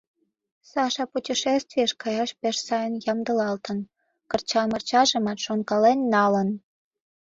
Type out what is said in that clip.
— Саша путешествийыш каяш пеш сайын ямдылалтын, кырча-марчажымат шонкален налын.